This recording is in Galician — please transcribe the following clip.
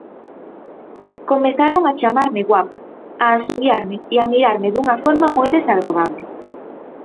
Comezaron a chamarme 'guapa', a asubiarme e a mirarme dunha forma moi desagradable.